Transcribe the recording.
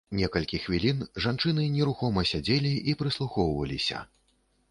Некалькі хвілін жанчыны нерухома сядзелі і прыслухоўваліся.